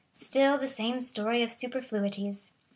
Still the same story of superfluities!